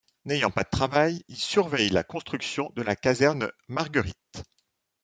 N'ayant pas de travail, il surveille la construction de la caserne Margueritte.